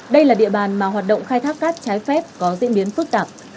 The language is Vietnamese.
đây là địa bàn mà hoạt động khai thác cát trái phép có diễn biến phức tạp